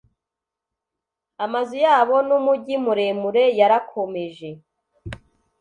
Amazu yabo numujyi muremure yarakomeje